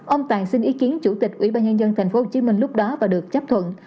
ông tàn xin ý kiến chủ tịch ủy ban nhân dân tp hcm lúc đó và được chấp thuận